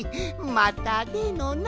またでのな。